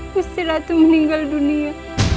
gusti ratu meninggal dunia